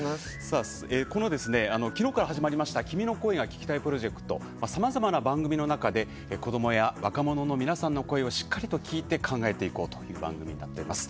きのうから始まりました「君の声が聴きたい」プロジェクトさまざまな番組の中で子どもや若者の声をしっかりと聴いて考えていこうという番組になっています。